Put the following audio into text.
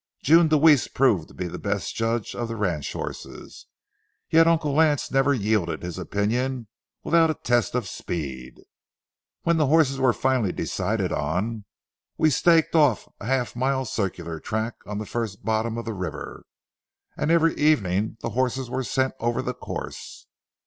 June Deweese proved to be the best judge of the ranch horses, yet Uncle Lance never yielded his opinion without a test of speed. When the horses were finally decided on, we staked off a half mile circular track on the first bottom of the river, and every evening the horses were sent over the course.